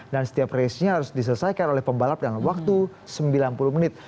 dan setiap racenya harus diselesaikan oleh pembalap dalam waktu sembilan puluh menit